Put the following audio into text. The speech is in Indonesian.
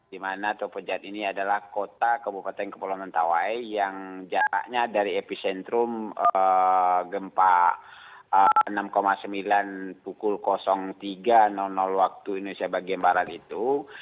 di mana topojat ini adalah kota kabupaten kepulauan mentawai yang jaraknya dari epicentrum gempa enam sembilan pukul tiga waktu indonesia bagian barat itu